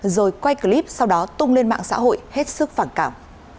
rồi quay clip sau đó tung lên mạng xã hội hết sức phản cảm